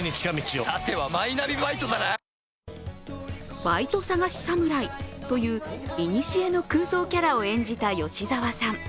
バイト探しサムライといういにしえの空想キャラを演じた吉沢さん。